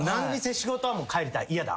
仕事はもう帰りたい嫌だ？